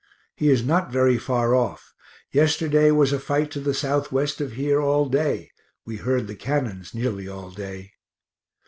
He is not very far off yesterday was a fight to the southwest of here all day; we heard the cannons nearly all day.